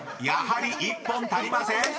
［やはり１本足りません！］